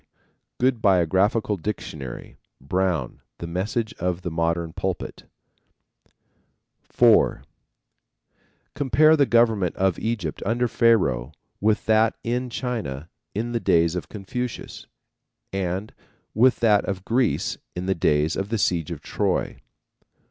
good Biographical Dictionary; Brown, The Message of the Modern Pulpit. (4) Compare the government of Egypt under Pharaoh with that in China in the days of Confucius and with that of Greece in the days of the siege of Troy.